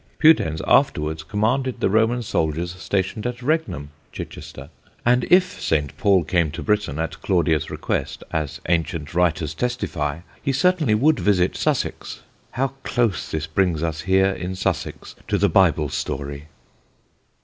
Pudens afterwards commanded the Roman soldiers stationed at Regnum (Chichester), and if St. Paul came to Britain, at Claudia's request (as ancient writers testify), he certainly would visit Sussex. How close this brings us here in Sussex to the Bible story!"